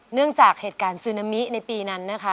เนื่องจากเหตุการณ์ซึนามิในปีนั้นนะคะ